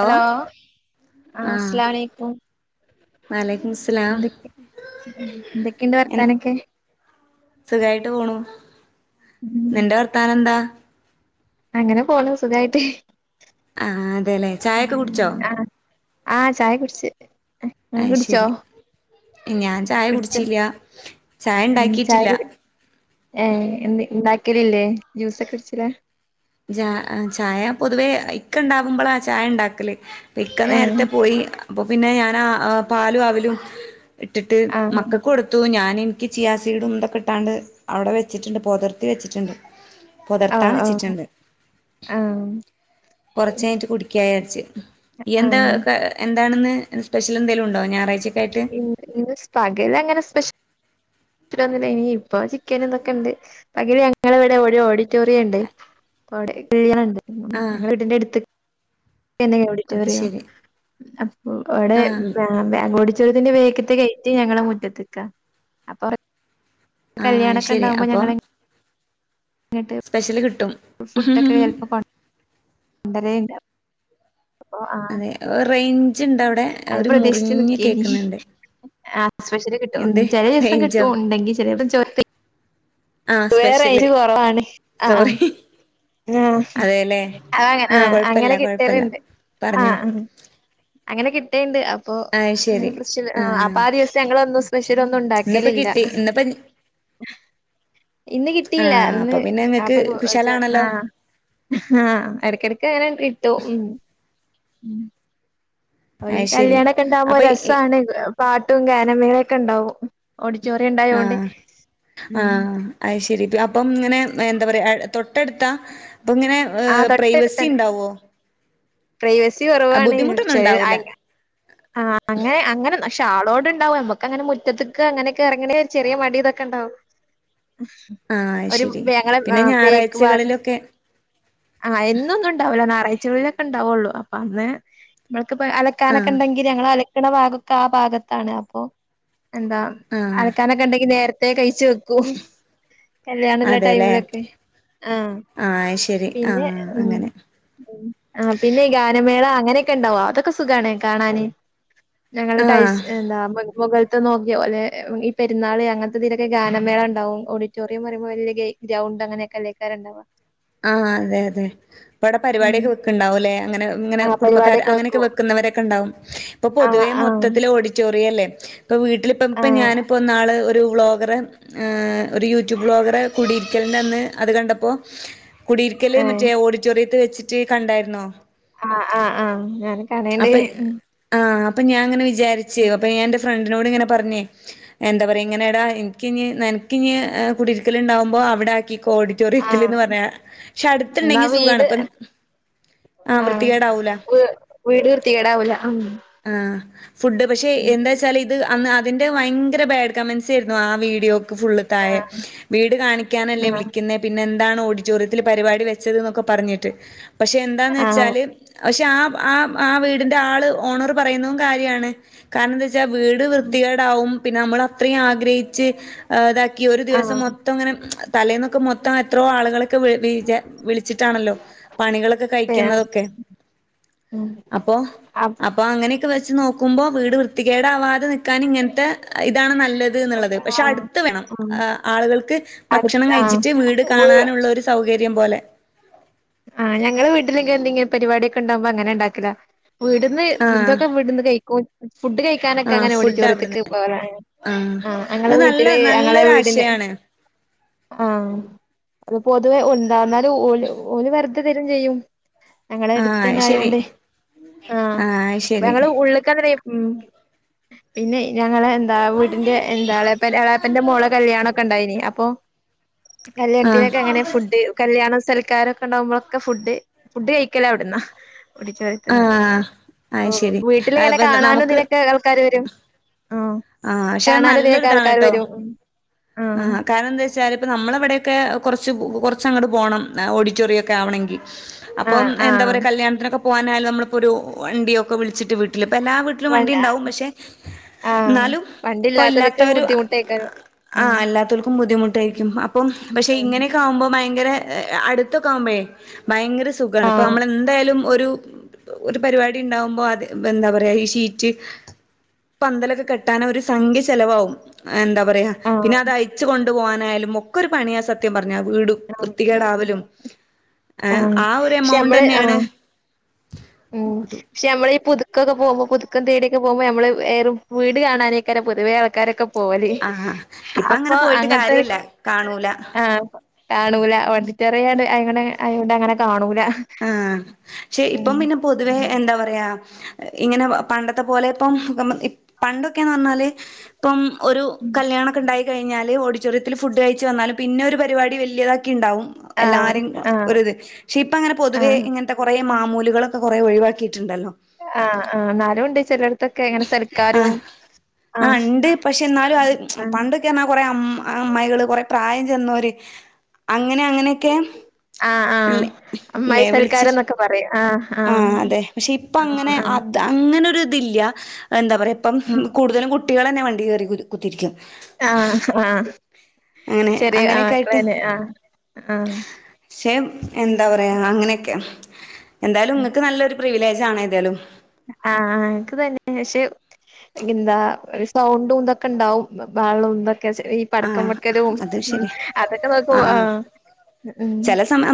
Hello ആഹ് അസ്സലാമുഅലൈക്കും വലൈക്കും മുസ്സലാം എ എന്തൊക്കെയുണ്ട് എ വർത്താനൊക്കെ സുഖായിട്ട് പോണു നിന്റെ വർത്താനം എന്താ അങ്ങനെ പോണു സുഖായിട്ട് ആഹ് അതെല്ലേ ചായൊക്കെ കുടിച്ചോ ആഹ് ആഹ് ചായ കുടിച്ച് ഇങ്ങള് അയ് കുടിച്ചോ ശെരി ഞാൻ ചായ കുടിച്ച് കുടിച്ചില്ല ചായ ചായ ഇണ്ടാക്കിയിട്ടില്ല കുടി ഏ എ ഉണ്ടാക്കിലില്ലേ ജ്യൂസൊക്കെ അടിച്ചലാ ജ ചായ പൊതുവേ ഇക്ക ഇണ്ടാവുമ്പളാ ചായ ഇണ്ടാക്കല് ഇപ്പൊ ഇക്ക ഏ നേരത്തെ പോയി അപ്പോ പിന്നെ ഞാനാ പാലും അവിലും ഇട്ടിട്ട് ആ മക്കക്ക് കൊടു ത്തു ഞാൻ എനിക്ക് ചിയാസീഡും ഇതൊക്കെ ഇട്ടാണ്ട് അവിടെ വെച്ചിട്ടുണ്ട് പൊതിർത്തി വെച്ചിട്ടുണ്ട് ഓ പൊതിർത്താൻ ഓ വെച്ചിട്ടുണ്ട് ആ കൊറച്ച് കഴിഞ്ഞിട്ട് കുടിക്കാ വിചാരിച്ച് ഈ ആ എന്താ എന്താണ് ഇന്ന് സ്പെഷ്യൽ എന്തേലും ഉണ്ടോ ഞായറാഴ്ചക്കായിട്ട് ഇന്ന് പകല് അങ്ങനെ സ്പെഷ്യ ന്നും ഇനി ഇപ്പൊ ചിക്കൻ ഇതൊക്കെ ഇണ്ട് പകല് ഞങ്ങളെ ഇവിടെ ഒര്ഓഡിറ്റോറിയം ഇണ്ട് അപ്പൊ അവിടെ കല്യാണംഇണ്ട് ആഹ് ഞങ്ങളെ വീടിന്റെ അടുത്ത് തന്നെ അത് ഓഡിറ്റോറിയം ശരി അപ്പൊ അവിടെ ആഹ് ബേ ഓടിച്ചോരത്തിന്റെ വേഗത്തെ ഗൈറ്റ് ഞങ്ങളെ മുറ്റത്തിക്കാ അപ്പൊ ആഹ് കല്യാണംഒക്കെ ശരി ഇണ്ടാവുമ്പോ അപ്പം ഞങ്ങളെ സ്പെഷ്യല് കിട്ടും ണ്ടരേണ്ട അതെ റേഞ്ച് ഇണ്ടൊ അവിടെ ഒരു മുറിഞ്ഞ് കേക്കുന്നുണ്ട് ആഹ് സ്പെഷ്യല് കിട്ടും എന്ത് ചെല ദിവസം റേഞ്ചോ കിട്ടും ഇണ്ടെങ്കി ചില ദിവസം ചോറ് ത ആഹ് വേറേ സ്പെഷ്യല് റേഞ്ച് കൊറവാണ് സോറി ആഹ്ആഹ് ആഹ് അതെല്ലേ അങ്ങനെ ആഹ് കൊഴപ്പല്ല അങ്ങനെ കൊഴപ്പല്ല കിട്ടിലുണ്ട് പറഞ്ഞോ ആഹ് അങ്ങനെ കിട്ടിയണ്ട് അപ്പൊ ആഹ് ഇങ്ങനെ ശരി പ്രശ അപ്പ ആഹ് ദിവസം ഞങ്ങൾ ഒന്ന് സ്പെഷലൊന്നും ഇന്നിപ്പോ ഉണ്ടാക്കലില്ല കിട്ടി ഇന്നിപ്പോ ഇന്ന് കിട്ടിയില്ല ആഹ് ഇന്ന് അപ്പൊ പിന്നെ അപ്പൊ ഇങ്ങക്ക് കുശാലാണല്ലോ [unintelligible] ആഹ് ഇടക്കിടക്ക് അങ്ങനെ കിട്ടും ഉം ഉം ഒരു അത് ശരി കല്യാണക്കെ ഉണ്ടാവുമ്പോ അപ്പൊ ഈ രസാണ് പാട്ടും ഗാന മേളോക്കെ ഉണ്ടാവും ഓഡിറ്റോറിയം ഉണ്ടായോണ്ട് ആഹ് ഉം ആഹ് അത് ശരി അപ്പം ഇങ്ങനെ എന്താ പറയുക തൊട്ടെടുത്താൽ അപ്പം ഇങ്ങനെ ആ ഏഹ് പ്രൈവസി തൊട്ടടുത്തന്നെ ഉണ്ടാവോ പ്രൈവസി കുറവാണ്, ബുദ്ധിമുട്ടൊന്നും ഉണ്ടാവൂല [unintelligible] ആഹ് അങ്ങനെ അങ്ങനെ ക്ഷാളോട് ഉണ്ടാവും നമ്മുക്ക് അങ്ങനെ മുറ്റത്തക്ക് അങ്ങനെക്കെ ഇറങ്ങണമെങ്കിൽ ഒരു ചെറിയ മടി ഇതൊക്കെണ്ടാവും ആഹ് അത് ഒരു ശരി ങ്ങളെ പിന്നെ ആഹ് ബേക്ക് ഭാഗം ഞായറാഴ്ചകളിലൊക്കെ ആഹ് എന്നൊന്നും ഉണ്ടാവില്ല, ഞായറാഴ്ചകുള്ളിലൊക്കെ ഉണ്ടാവുള്ളൂ അപ്പൊ അന്ന് നമ്മക്ക് ഇപ്പ അല അലക്കാനൊക്കെ ആഹ് ഉണ്ടെങ്കി ഞങ്ങൾ അലക്കണ ഭാഗൊക്കെ ആഹ് ഭാഗത്താണ് അപ്പൊ എന്താ ആഹ് ആലക്കാനോക്കെ ഉണ്ടെങ്കി നേരത്തെ കഴിച്ച് വെക്കും കല്യാണം ഉള്ള അതെല്ലേ ടൈമിലൊക്കെ ആഹ് ആഹ് ശരി പിന്നെ, ആഹ് ഉം അങ്ങനെ ആഹ് പിന്നെ ഗാനമേള അങ്ങനെയൊക്കെ ഉണ്ടാവോ അതൊക്കെ സുഖമാണ് കാണാന് ഞങ്ങള ടൈസ് ആഹ് എന്താ [unintelligible] നോക്കിയോ അല്ലെ ഈ പെരുന്നാൾ അങ്ങനത്തെ ഇതിയിലൊക്കെ ഗാനമേള, ഉണ്ടാവും ഓഡിറ്റോറിയം പറയ്പോ വലിയ ഗൈ ഗ്രൗണ്ട് അങ്ങനെയൊക്കെ അല്ലെയ്കാരം ഉണ്ടാവാ ആഹ് അതെ അതെ ഇവിടെ ഉം പരിപാടൊക്കെക് വെ ക്ക് ണ്ടാവും, ലേ അങ്ങനെ ങ്ങന ആഹ് കുടബക്കാര് പരിപാടിയൊക്കെ അനെയൊക്കെ വെക്കും വെ ക്കുന്നവരൊക്കെണ്ടോ ഇപ്പൊ ആഹ് പൊതുവേ ആഹ് മൊത്തത്തില് ഓഡിറ്റോറിയം അല്ലേ ഇപ്പോൾ വീട്ടിലിപ്പ ഇപ്പം ആഹ് ഞാനിപ്പോൾ ഇന്നാൾ ഒരു വ്ലോഗറെ ഏഹ് ഒരു യൂട്യൂബ് ബ്ലോഗറെ കൂടിയിരിക്കലിൻ്റെ അന്ന് അത് കണ്ടപ്പോൾ കുടിയിരിക്കല് ഏഹ് മറ്റേ ഓഡിറ്റോറിയത്ത് വെച്ചിട്ട് കണ്ടായിരുന്നോ ആഹ് ആഹ് ആഹ് ഞാന് കാണേണ്ട് അപ്പൊ ആഹ് അപ്പൊ ഞാൻങ്ങനെ വിചാരിച്ച് ഉം അപ്പൊ ഞാൻ എന്റെ ഫ്രണ്ടിനോട് ഇങ്ങനെ പറഞ്ഞേ എന്താ പറയാ ഇങ്ങനെേടാ എനിക്കിഞ്ഞ് നിനക്ക്ഇിഞ് കുടിരിക്കലുണ്ടാവുമ്പോ അവിടെ ആക്കിക്കോ ഓടി ഓടിട്ടോറിയത്തില് ന്ന് പറ ന്ന വീട് ആഹ് വീട് വൃർത്തികേടാവൂല ആഹ് ഫുഡ് പക്ഷെ എന്താ വച്ചാൽ ഇത് അന്ന് ആഹ് അതിൻ്റെ ഭയങ്കര ബാഡ് കമൻറ്സ് ആയിരുന്നു ആഹ് വീഡിയോക്ക് ഫുള്ള് താഴെ, ആഹ് വീട് കാണിക്കാനല്ലേ വിളിക്കുന്നേ പിന്നെ എന്താണ് ഓടി റ്റോറിയത്തിൽ പരിപാടി വെച്ചത് എന്നൊക്കെ പറഞ്ഞിട്ട് പക്ഷെ എന്താന്ന് ആഹ് ആഹ് വെച്ചാല് പക്ഷെ ആഹ് ആഹ് ആഹ് വീടിന്റെ ആള് ഓണർ പറയുന്നതും കാര്യാണ് കാരണം എന്താ വെച്ചാൽ വീട് വൃത്തികേടാവും പിന്നെ നമ്മൾ അത്രയും ആളെ ആഗ്രഹച്ച് ഇതാക്കി ഒരു ആഹ് ദിവസം മൊത്തം ഇങ്ങനെ തലേൽന്നൊക്കെ മൊത്തം എത്രോ ആളുകൾ ക്ക്‌, വിച വിളിച്ചിട്ടാണല്ലോ പണികളൊക്കെ കഴിക്കുന്നതൊക്കെ അപ്പോ അപ്പൊ അങ്ങനെയൊക്കെ വെച്ച് നോക്കുമ്പോ വീട് വൃത്തികേട് ആവാതെ നിക്കാൻ ഇങ്ങനത്തെ ഇതാണ് നല്ലത് ത് ന്നള്ളത് പക്ഷെ അടുത്ത വേണം ആളുകൾക്ക് അടുത്ത ഭക്ഷണം ആ കഴിച്ചിട്ട് വീട് കാണാനുള്ള ഒരു സൗകര്യം പോലെ ആഹ് ഞങ്ങള് വീട്ടിലൊക്കെ എന്തെങ്കിലും പരുപാടി ക്കെണ്ടാവുമ്പോ അങ്ങനെ ഉണ്ടാക്കല വീട്ന്ന് ആഹ് ഇതൊക്കെ വീടുന്ന് കഴിക്കും ഫുഡ് കഴിക്കാനൊക്കെ ആഹ് അങ്ങനെ ഫുഡ് അവിടുന്ന് ഓഡിറ്റോറിയത്തുക്ക് പോവല ആഹ് അത് നല്ല നല്ലൊരു ആശയാണ് ആഹ് അത് പൊതുവേ ഉണ്ടാവന്നാല് ഓൽ ഓല് വെർതെ തരും ചെയ്യും ഞങ്ങളെ ആഹ് എട്ത്തന്നെ അത് ശരി ആയോണ്ട് ആഹ് അത് ശരി പ്പഞങ്ങള് ഉള്ള്ക്കെന്നെ [unintelligible] ഉം പിന്നെ ഞങ്ങള എന്താ വീട്ന്റെ എന്താ എളാപ്പ എളാപ്പന്റെ മോള കല്യാണം ഒക്കെ ഉണ്ടായിനി അപ്പൊ ആഹ് കല്യാൺത്തിനൊക്കെ എങ്ങനെ ഫുഡ് കല്യാണം സെല ക്കാരൊക്കെണ്ടാവുമ്പോളൊക്കെ ഫുഡ് ഫുഡ് കഴിക്കലവ്ട്ന്നാ തന്നെ ആഹ് അത് ഓഹ് ശരി. വീട്ടില്ങ്ങനെ അപ്പൊ കാണാനും നമുക്ക് തിനൊക്കെ ആൾക്കാര് വരും ആഹ് ആഹ് പക്ഷെ അത് കാണാനും തിനൊക്കെ നല്ലൊരിതാണ് ആൾക്കാര് ട്ടോ വരും ആഹ് കാരണം എന്തേ ച്ചാല് ഇപ്പോ നമ്മളവിടെയൊക്കെ കൊർച് കൊർച്ചങ്ങട്ട് പോണം ഓഡിറ്റോറിയം ഒക്കെ ആവണങ്കി അപ്പൊ ആഹ് എന്താ ആഹ് പറയാ കല്യാണത്തിനൊക്കെ പോവാനായും നമ്മളിപ്പൊ ഒരു വണ്ടിയൊക്കെ വിളിച്ചിട്ട് വീട്ടില് പ്പ എല്ലാ വീ ട്ട്ലും വ വണ്ടിണ്ടാവും പക്ഷെ എന്നാലും ഇപ്പ ഇല്ലാത്തവര് തേ കാരം ആഹ് അല്ലാതോൽക്കും ബുദ്ധിമുട്ടായിരിക്കും അപ്പം പക്ഷെ ഇങ്ങനെ ക്കാവുമ്പോ ഭയങ്കര അടുത്തൊക്കാവുമ്പൊയെ ഭയങ്കര സുഖാണ് പ്പ ആഹ് നമ്മളെ ന്തായാലും ഒരു ഒരു പരിപാടി ണ്ടാവുമ്പോ അത് എന്താ പറയാ ഈ ശീറ്റ് പന്തലൊക്കെ കെട്ടാനൊരു സംഖ്യ ചെലവാവും എന്താ പറയാ പിന്നെ ആഹ് അത് അയിച്ച്കൊ ണ്ടു പോവാനായാലും ഒക്കെരു പണിയാ സ ത്യം പറഞ്ഞ വീടും ആഹ് ഉം വൃത്തികേടാവലും ഏഹ് ആഹ് ആ ഒരു പക്ഷെ നമ്മള് ആഹ് എമൗണ്ടന്നെണ് ഉം പക്ഷെ നമ്മളീ പുതുക്കൊക്കെ പോവുമ്പോ പുതുക്കം തേടിയൊക്കെ പോകുമ്പോ നമ്മള് ഏറും വീട് കാണാ നെയ് കാരം പൊതുവെ ആൾക്കാരൊക്കെ പോലെ ആഹ് ഇപ്പ അങ്ങനെ അപ്പൊ പോയിട്ട് അങ്ങൻത്തതൊക്കെ കാര്യല്ല കാണൂല. ആഹ് കാണൂല ഓഡിറ്റോറിയാണ്ട് അങ്ങനെ ആയോണ്ട് അങ്ങനെ കാണൂല ആഹ് ക്ഷെ ഉം. ഇപ്പം പിന്നെ പൊതുവെ എന്താ പറയാ ഇങ്ങനെ പണ്ടത്തെ പോലെ ഇപ്പം നമ്മ പണ്ടൊക്കെന്ന് പറഞ്ഞാല് ഇപ്പം ഒരു ഉം. കല്യാണക്കണ്ടായികഴിഞ്ഞാല് ഓഡിറ്റോറിയത്തിൽ ഫുഡ് കഴിച്ച് വന്നാലും പിന്നെ ഒരു പരിപാടി വല്ല്യതാക്കിണ്ടാവും ആഹ് എല്ലാര്യിം ആഹ് ഒര് ഇത് പക്ഷെ ഇപ്പ അങ്ങനെ പൊതുവേ ആഹ് ഇ ങ്ങൻത്ത കൊറെ മാമൂലുകളൊക്കെ കൊറെേ ഒഴിവാക്കിയിട്ടുണ്ടല്ലോ ആഹ് ആഹ് ന്നാലുംണ്ട് ചെലോര് തൊക്കെ ഇങ്ങനെ സൽക്കാരും ആഹ് ആഹ് ആഹ് ക്ക് പറഞ്ഞാ കൊറെ അമ്മ അമ്മായികള് കൊറെ പ്രായംചെന്നോര് അങ്ങനെ അങ്ങനെക്കെ ഇല്ലേ ഇല്ലേ വിളിച് ഒക്കെ പറയും ആഹ് ആഹ് അതെ പക്ഷെ ഇപ്പ അങ്ങനെ ആഹ് അങ്ങനൊര്ത് ല്ല്യ എന്താ പറയാ ഇപ്പം ആഹ് കൂടുതലും കു ട്ട്യാളന്നെ വണ്ടി കേറി കു കുത്തിരിക്കും ആഹ് ആഹ് അങ്ങനെ ചെറി ആഹ് അങ്ങനെയൊക്കെ ക്കളെന്നെ ആഹ് ആഹ് ക്ഷെ എന്താ പറയാ അങ്ങനെക്കെണ് എന്തായാലും ആഹ് ഇങ്ങക്ക് നല്ലൊരു പ്രിവിലേജ് ആണ് ഏതായാലും ആഹ് ഇൻക്ക് തന്നെ പഷേ എന്താ ഒര് സൗണ്ടും ഇതൊക്കെ ഇണ്ടാവും ബഹളും ഇതൊക്കെ ചെ ഈ പടക്കം ആഹ് വെക്കലും അത് ശരിയാ അതൊക്കെ നോക്കുമ്പോ ആഹ് ഉം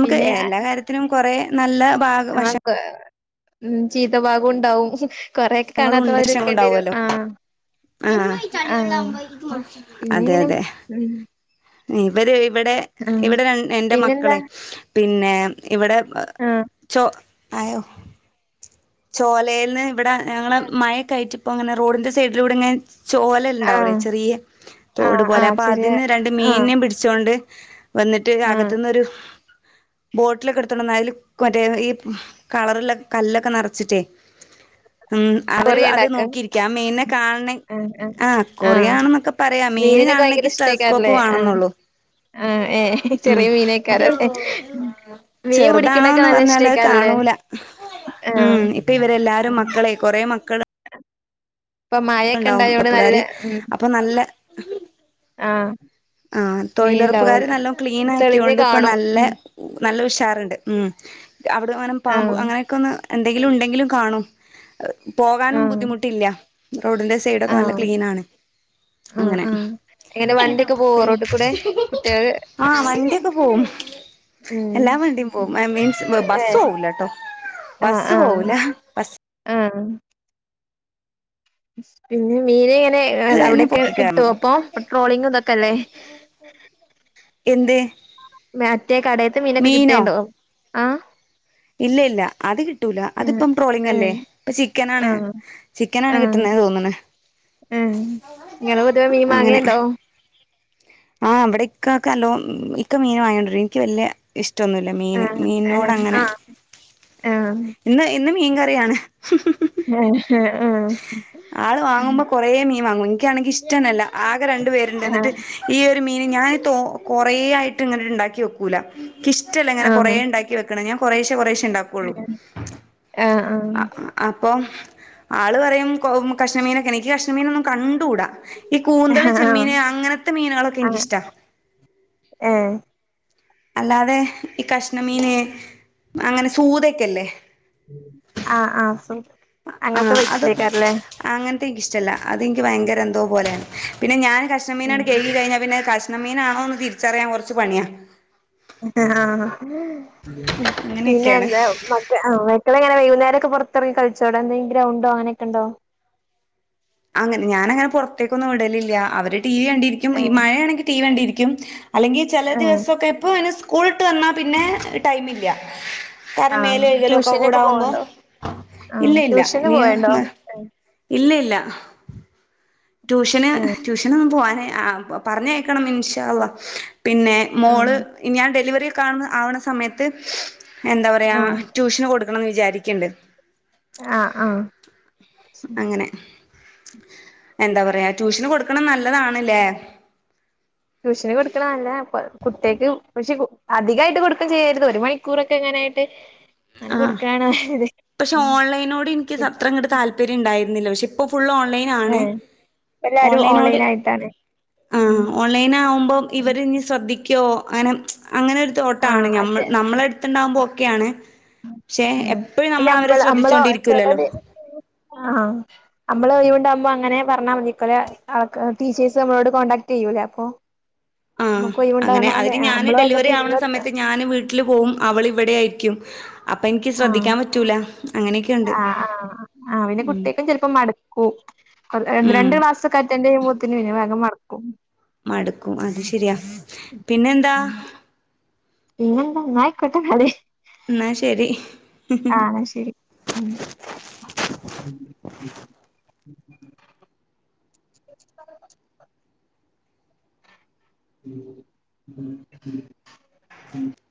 പിന്നെ അ ത്തിനും കൊറേ നല്ല ഭാഗ വശം ക്കെ ഉം ചീത്ത ഭാഗം ഉണ്ടാവും കൊറെയൊക്കെ ഞങ്ങളുണ്ട് ച്ചാ കാണാത്തവരൊക്കേണ്ടി വരും ഉണ്ടാവോല്ലോ ആഹ് ആഹ് ആഹ് അതെ പിന്നെങ്ങനെ അതെ ഉം ഇവര് ഇവടെ ആഹ് ഇവടെ രൺ എന്റെ പിന്നെന്താ മക്കളെ പിന്നെ ഇവടെ ആഹ് ചൊ ആയോ ചോലേന്ന് ഇവടെ ഞങ്ങളെ മഴക്കായിറ്റ് പ്പം ഇങ്ങനെ റോഡിന്റെ സൈഡിലൂടെ ഇങ്ങനെ ചോല ണ്ടാവുലെ ആഹ് ചെറിയ തോട് ആഹ് പോലെ ആഹ് അപ്പൊ ചെറിയ അതിന്ന് രണ്ട് ആഹ് മീനിനേം പിടിച്ചോണ്ട് വന്നിട്ട് ആഹ് അകത്ത്ന്നൊരു ബോട്ടിലൊക്കെ എട്ത്തൊണ്ടന്ന് അതില് മറ്റേ ഈ കളറില്ലെ കല്ലൊക്കെ നെറ ച്ചിറ്റേ. ഉം അവര് കൊറിയ അത് ഇണ്ടാക്ക നോക്കിയിരിക്യാ. ആ മീനിനെ കാണണെ ആഹ് അക്കോറിയാണ്ന്നൊക്കെ പറയാം. മീന് മീനിനൊക്കെ ഭയങ്കര കാണണെങ്കി സെതസ് സ്കോപ്പ് ഇഷ്ടേക്കാരല്ലേ വാണം ആഹ് ന്നൊള്ളൂ. ആഹ് ഏഹ് ചെറിയ മീനേക്കാരംല്ലേ. മീൻ പിടിക്ണൊക്കെ ചെറുതാണോന്ന് നല്ല പറഞ്ഞാല് അത് ഇഷ്ട്ടേക്കാരംല്ലേ. കാണൂല ഉ [unintelligible] ഉം ഇപ്പ ഇവരെല്ലാരും മക്കളെ കൊറെ മക്കള് ഇപ്പം ഉണ്ടാവും മയക്കെണ്ടായോണ്ട് പ്പുകാര് നല്ലെ ഉം അപ്പൊ നല്ല ആഹ് ആഹ് മീൻ തൊയിലുറപ്പുകാര് ഇണ്ടാവല്ലോ നല്ലോം തെളിഞ്ഞ് ക്ലീനാക്ക്യോണ്ട് ഇപ്പം കാണും നല്ല ഉം നല്ല ഉഷാറ്ണ്ട്. ഉം. അവിടെ ഇങ്ങനെ പാമ്പ് ആഹ് അങ്ങനൊക്കൊന്ന് എന്തെങ്കിലും ഉണ്ടെങ്കിലും കാണും. പോകാനും ആഹ് ബുദ്ധിമുട്ടില്ല്യ ക റോഡിന്റെ സൈഡൊക്കെ നല്ല ആഹ് ക്ലീനാണ്. ആഹ് ആഹ്. എങ്ങനെ വണ്ടിയൊക്കെ പോ [unintelligible] ആഹ്‌ വണ്ട്യൊക്കെ പോവും. എല്ലാ ഏഹ് വണ്ടിം പോവും ഏഹ് മീൻസ് ബസ്സോവൂല ട്ടോ. ആഹ് ബസ്സ് ആഹ് പോവൂല. ബസ് ആഹ്. പിന്നെ മീന് ഇങ്ങനെ അല്ല തന്നെ അവിടൊക്കെ പൊക്കി കാണും കിട്ടോ പ്പം. ഇപ്പ ട്രോളിംഗും ഇതൊക്കെ അല്ലേ. എന്ത്. മറ്റേ കടേത്തെ മീനൊക്കെ മീനോ കിട്ടേണ്ടോ? ആഹ് ഇല്ല ഇല്ല അത് കിട്ടൂല ഏഹ് അതിപ്പം ട്രോളിങല്ലേ ഏഹ് ഇപ്പം ചിക്കനാണ്. ആഹ് ചിക്കനാണ് ആഹ് കിട്ടുന്നേ തോന്ന്ണ്. ഏഹ്. ഇങ്ങെള് പൊതുവെ മീൻ അങ്ങനെ മാങ്ങേണ്ടോ? ആഹ് ഇവടെ ഇക്കാക്ക് നല്ലോം, ഇക്ക മീൻ വാങ്ങ്യൊണ്ടരും. ഇൻക്ക് വല്യ ഇഷ്ടൊന്നുല്ല മീന്. ആഹ് ഏഹ് മീൻനോട് അങ്ങനെ ആഹ് ആഹ് ഇന്ന് ഇന്ന് മീൻകറിയാണ്. ഏഹ് ആള് വാങ്ങുമ്പം കൊറേ മീൻ വാങ്ങും. ഇൻക്കാണെങ്കി ഇഷ് റ്റെന്നല്ല. ആകെ രണ്ടു പേര്ണ്ട് ഇന്നട്ട് ആഹ് ഈയൊരു മീന് ഞാൻ തോ കൊറേ ആയിട്ട് ഇങ്ങനട് ഇണ്ടാക്കി വെക്കൂല. ഇക്കിഷ്ടല്ല ഇങ്ങനെ കൊറെ ആഹ് ഇണ്ടാക്കി വെക്ക്ണത്. ഞാൻ കെറേശെ കൊറേശെ ഇണ്ടാ കൊള്ളു. ആഹ് ആഹ് അ ആഹ് അ അപ്പം ആള് പറയും കൊ കഷ്ണമീനൊക്കെണെ ഇൻക്ക് കഷ്ണമീനൊന്നും കണ്ടൂടാ. ഈ കൂന്തള് ആഹ് ചെമ്മീന് അങ്ങനത്തെ മീനുകളൊക്കെ ആഹ് ഇൻക്കിഷ്ടാ. ഏഹ്. അല്ലാതെ ഈ കഷ്ണമീന് അങ്ങനെ സൂതെക്കെല്ലേ. ആഹ് ആഹ് സൂത് ആ അങ്ങൻത്തെ അത് വെച്ച്ലേക്കാരംല്ലേ. അങ്ങനത്തെ ഇൻക്കിഷ്ടല്ല. അതിൻക്ക് ഭയങ്കര എന്തോപോലേണ്. പിന്നെ ഞാൻ കഷ്ണ ഉം മീനാണ്ട് കഴ്കി കയിഞ്ഞാ പിന്നെ കഷ് ണ മീനാണോന്ന് തിരിച്ചറിയാൻ കൊറച്ച് പണിയാ. അങ്ങനെയൊക്കെയാണ് പിന്നെന്താ മക് ക ആഹ് മക്കളെങ്ങനാ വൈകുന്നേരൊക്കെ പൊറത്ത് എറങ്ങി കളിചോളു എന്തെങ്കിലും ഗ്രൗണ്ടോ അങ്ങനെക്കെണ്ടോ? അങ്ങനെ ഞാനങ്ങനെ പുറത്തേക്കൊന്നും വിടലില്ല. അവര് ടി വി കണ്ടിരിക്കും ഈ ഏഹ് മഴയേണെങ്കി ടി വി കണ്ടിരിക്കും. അല്ലെങ്കി ചില ഏഹ് ദിവസൊക്കെ ഇപ്പോ അതിന് സ്കൂള് വിട്ട് വന്നാ പിന്നെ ടൈമില്ല കാരണം ആഹ് മേല് കഴ്കലൊക്കെ ട്യൂഷനൊക്കെ കൂടാവുമ്പൊ പോവണ്ടോ? ആഹ് ഇല്ല ഇല്ല ട്യൂഷന് ഇനി പോവണ്ടോ? മ് ഇല്ല ഇല്ല ട്യൂഷന് ഏഹ് ട്യൂഷനൊന്നും പോവാന് ആഹ് പറഞ്ഞയക്കണം ഇൻഷ അള്ള പിന്നെ ആഹ് മോള് ഞാൻ ഡെലിവറിയൊക്കാണ ആവണ സമയത്ത് എന്താ പറയ് ആഹ് ട്യൂഷന് കൊടുക്കണംന്ന് വിചാരിക്കെണ്ട് ആഹ് ആഹ് അങ്ങനെ എന്താ പറയ്യ ട്യൂഷന് കൊടുക്കണ നല്ലതാണ് ല്ലേ ട്യൂഷന് കൊട്ക്കണ നല്ലതാണിപ്പ കുട്ട്യേക്ക് പക്ഷെ കു അധികായിട്ട് കൊടുക്കേം ചെയ്യരുത് ഒരു മണിക്കൂറക്കെ ഇങ്ങനേയിട്ട് ആഹ് പക്ഷെ ഉം ഓൺലൈനോട് എനിക്ക് അത്രങ്ങട്ട് താൽ പര്യം ഇണ്ടായിരുന്നില്ല പക്ഷെ ഇപ്പൊ ഫുള്ള് ഓൺലൈൻ ആണ് ഏഹ് ഇപ്പെല്ലാരും ഓൺലൈനായിട്ടാണ് ഉം ഓൺലൈന് ആകുമ്പോം ഇവരിനി ശ്രദ്ധിക്കോ അങ്ങനെ അങ്ങനൊരു തോട്ടാണ് ആഹ് ഞമ്മ അതെ നമ്മളെടു ത്തിണ്ടാവുമ്പൊ ഓക്കെയാണ് പക്ഷെ ഉം എപ്പഴും പിന്നെ നമ്മളവരെ നമ്മള് നമ്മള് ശ്രദ്ധിച്ചോണ്ട് ഇരിക്കൂല്ലല്ലൊ ചെലത് ആഹ് നമ്മള് കൈയ്യ് കൊണ്ടാവുമ്പോ അങ്ങനെ പറഞ്ഞാ മതീക്കോലേ അവക്ക് ടീച്ചേഴ്സ് നമ്മളോട് കോണ്ടാക്ട് ചെയ്യൂല്ലേ അപ്പോ ആഹ് അങ്ങനെ നമ്മക്കൊഴിവിണ്ടാകണോന്നെ അതിന് ആഹ് ഞാന് നമ്മളും ഡെലിവറി അതിന്റൊപ്പം ആവണ ഇരുന്നെടുത്താ സമയത്ത് ഞാന് വീട്ടില് പോവും അവളിവിടെ ആയിരിക്കും അപ്പ എനിക്ക് ആഹ് ശ്രദ്ധിക്കാൻ പറ്റൂല്ല അങ്ങനെയൊക്കെയുണ്ട് ആഹ് ഉം കു കൊള്ള് എഹ് രണ്ട് ഉം രണ്ട് ക്ലാസ്സൊക്കെ അറ്റന്റ്ചെയ്യുമ്പോത്തിന് പിന്നെ വേഗം മടുക്കും മടുക്കും അത് ശെരിയാ പിന്നെന്താ പിന്നെന്താ എന്ന ആയിക്കോട്ടെ എന്നാല് എന്നാ ശെരി ആഹ് ശെരി ഉം ഉം ഉം ഉം